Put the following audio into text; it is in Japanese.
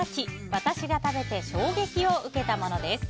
私が食べて衝撃を受けたものです。